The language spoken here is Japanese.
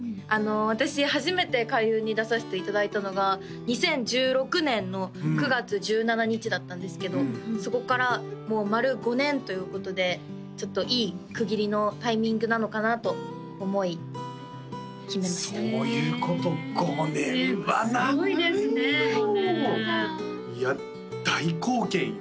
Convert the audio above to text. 私初めて開運に出させていただいたのが２０１６年の９月１７日だったんですけどそこからもう丸５年ということでちょっといい区切りのタイミングなのかなと思い決めましたそういうこと５年は長いよすごいですね５年いや大貢献よ